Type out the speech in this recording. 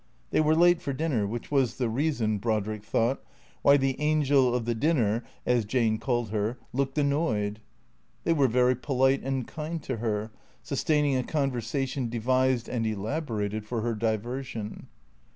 They were late for dinner, which was the reason, Brodrick thought, why the Angel of the Dinner (as Jane called her) looked annoyed. They were very polite and kind to her, sustaining a conversa tion devised and elaborated for her diversion.